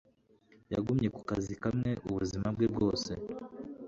Yagumye ku kazi kamwe ubuzima bwe bwose.